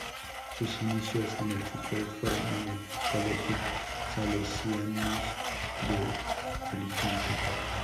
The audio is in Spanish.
Sus inicios en el fútbol fueron en el colegio Salesianos de Alicante.